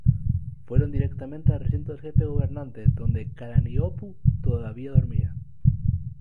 Fueron directamente al recinto del jefe gobernante donde Kalaniʻōpuʻu todavía dormía.